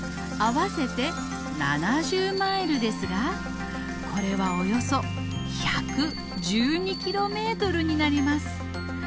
あわせて７０マイルですがこれはおよそ１１２キロメートルになります。